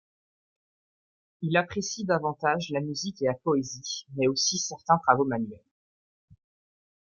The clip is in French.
Il apprécie davantage la musique et la poésie mais aussi certains travaux manuels.